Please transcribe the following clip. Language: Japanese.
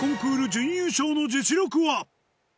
準優勝の実力は？